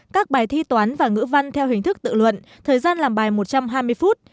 các bài thi toán và ngữ văn theo hình thức tự luận thời gian làm bài một trăm hai mươi phút